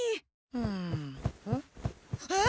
うんおっ？